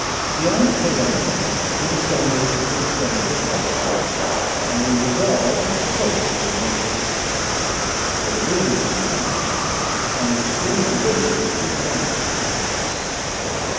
Beyond Cologne we descended to the plains of Holland; and we resolved to post the remainder of our way; for the wind was contrary, and the stream of the river was too gentle to aid us.